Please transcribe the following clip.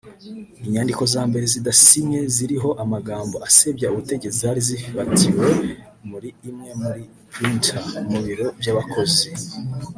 Inyandiko za mbere zidasinye ziriho amagambo asebya ubutetsi zari zafatiwe muri imwe muri ‘Printer’ mu biro by’abakozi